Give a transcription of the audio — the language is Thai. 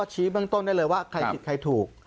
ชี้เบื้องต้นได้เลยว่าใครผิดใครถูก